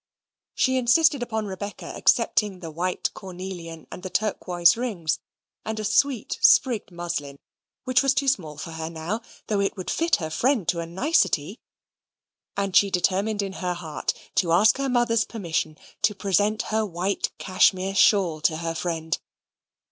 She insisted upon Rebecca accepting the white cornelian and the turquoise rings, and a sweet sprigged muslin, which was too small for her now, though it would fit her friend to a nicety; and she determined in her heart to ask her mother's permission to present her white Cashmere shawl to her friend.